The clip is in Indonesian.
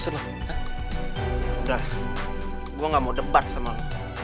udah gue gak mau debat sama lo